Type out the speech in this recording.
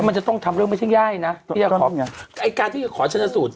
มันจะต้องทำเรื่องไม่ใช่ง่ายนะไอ้การที่จะขอชนะสูตร